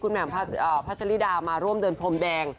แหม่มพัชริดามาร่วมเดินพรมแดง